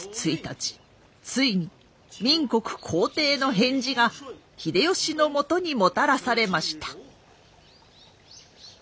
ついに明国皇帝の返事が秀吉のもとにもたらされました。